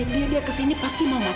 dia dia kesini pasti mau macem macem